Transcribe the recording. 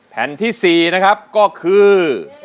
แผ่นที่๔นะครับก็คือ